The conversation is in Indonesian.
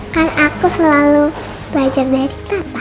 kan aku selalu belajar dari kapal